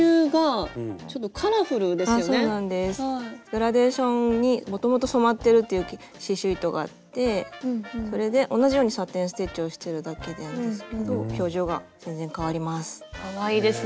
グラデーションにもともと染まってる刺しゅう糸があってそれで同じようにサテン・ステッチをしてるだけなんですけど表情が全然変わります。